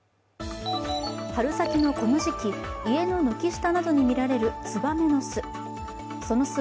春先のこの時期、家の軒下などに見られるつばめの巣。